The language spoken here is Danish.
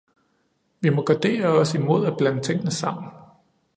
Vi må gardere os imod at blande tingene sammen.